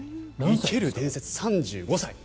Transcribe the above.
生ける伝説、３５歳。